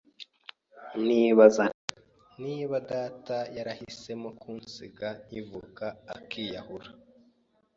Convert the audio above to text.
nibaza nti niba data yarahisemo kunsiga nkivuka akiyahura